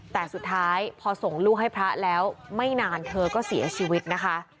แต่สุดท้ายพอส่งลูกให้พระแล้วไม่นานเธอก็เสียชีวิตนะคะ